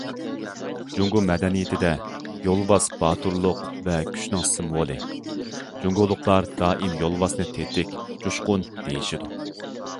جۇڭگو مەدەنىيىتىدە، يولۋاس باتۇرلۇق ۋە كۈچنىڭ سىمۋولى، جۇڭگولۇقلار دائىم يولۋاسنى تېتىك، جۇشقۇن دېيىشىدۇ.